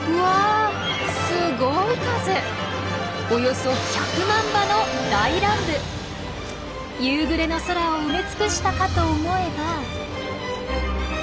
およそ夕暮れの空を埋め尽くしたかと思えば。